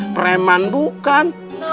prim man bukan